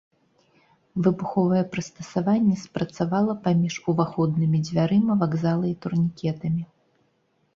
Выбуховае прыстасаванне спрацавала паміж уваходнымі дзвярыма вакзала і турнікетамі.